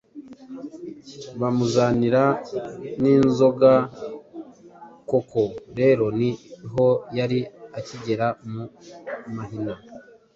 bamuzanira n'inzoga. Koko rero ni ho yari akigera mu mahina